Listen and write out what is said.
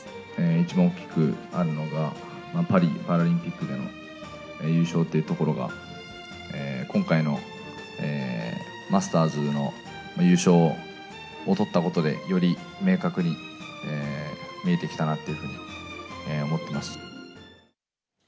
一番大きくあるのが、パリパラリンピックでの優勝っていうところが、今回のマスターズの優勝を取ったことで、より明確に見えてきたなっていうふうに思っています。